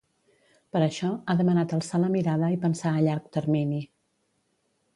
Per això, ha demanat alçar la mirada i pensar a llarg termini.